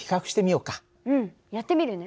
うんやってみるね。